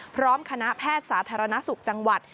พร้อมคณะแพทย์สาธารณสุขจังหวัด